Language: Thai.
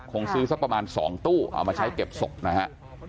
คงซื้อสักประมาณ๒ตู้เอามาใช้เก็บศพนะฮะ